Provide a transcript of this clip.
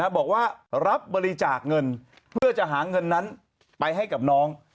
บอกว่ารับบริจาคเงินเพื่อจะหาเงินนั้นไปให้กับน้อง